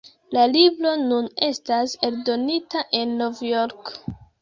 La libro nun estas eldonita en Novjorko.